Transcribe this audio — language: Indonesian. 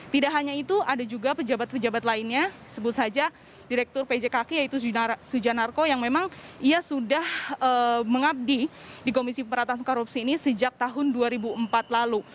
selain itu ada juga pejabat pejabat lainnya sebut saja direktur pjkk yaitu suja narko yang memang ia sudah mengabdi di komisi pemberantasan korupsi ini sejak tahun dua ribu empat lalu